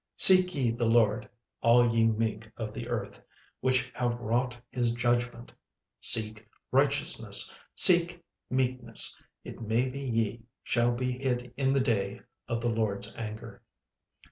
36:002:003 Seek ye the LORD, all ye meek of the earth, which have wrought his judgment; seek righteousness, seek meekness: it may be ye shall be hid in the day of the LORD's anger.